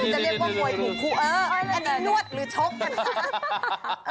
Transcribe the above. จะเรียกว่ามวยถูกคู่เอออันนี้นวดหรือชกกันนะ